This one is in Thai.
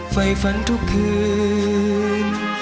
ไฟฝันทุกคืน